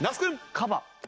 カバ。